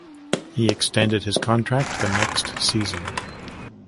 He extended his contract the next season.